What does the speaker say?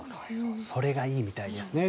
それがいいみたいですね。